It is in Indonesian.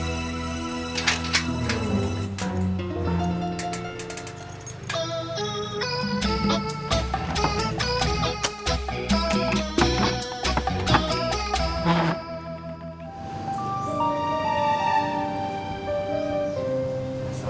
kenapa tidak bisa